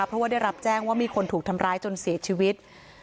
เพราะว่าได้รับแจ้งว่ามีคนถูกทำร้ายจนเสียชีวิต